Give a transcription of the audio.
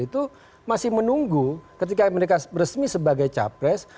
itu masih menunggu ketika mereka resmi sebagai capres